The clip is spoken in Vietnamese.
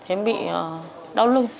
em bị đau lưng